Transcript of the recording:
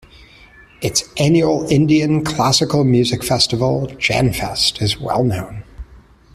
Its annual Indian classical music festival, "Janfest", is wellknown.